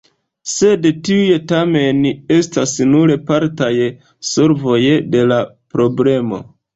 Sed tiuj tamen estas nur partaj solvoj de la problemo.